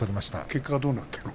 結果はどうなの？